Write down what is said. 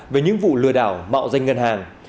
về những vụ lừa đảo mạo danh ngân hàng